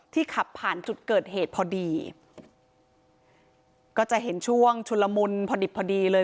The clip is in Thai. ขับผ่านจุดเกิดเหตุพอดีก็จะเห็นช่วงชุนละมุนพอดิบพอดีเลย